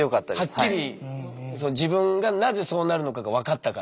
はっきり自分がなぜそうなるのかが分かったから。